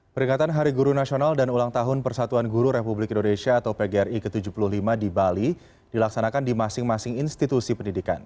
peringatan hari guru nasional dan ulang tahun persatuan guru republik indonesia atau pgri ke tujuh puluh lima di bali dilaksanakan di masing masing institusi pendidikan